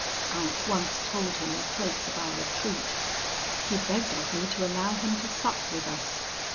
I at once told him the place of our retreat. He begged of me to allow him to sup with us.